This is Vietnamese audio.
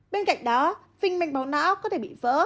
bên cạnh đó phình mạch máu não có thể bị vỡ